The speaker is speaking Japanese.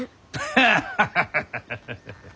ハハハハハ。